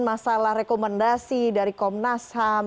masalah rekomendasi dari komnas ham